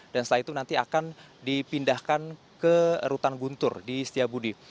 dan setelah itu nanti akan dipindahkan ke rutan guntur di setiabudi